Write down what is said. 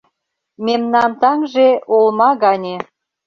Мемнан таҥже олма гане.